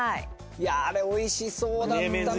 いやあれおいしそうだったな。